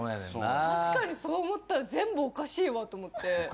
確かにそう思ったら全部おかしいわと思って。